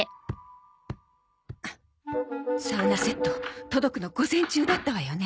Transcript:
サウナセット届くの午前中だったわよね。